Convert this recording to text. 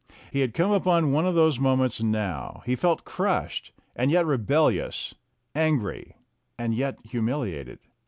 He had come upon one of those moments now; he felt crushed, and yet re bellious; angry, and yet humiliated.